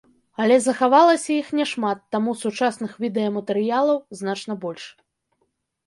Але захавалася іх няшмат, таму сучасных відэаматэрыялаў значна больш.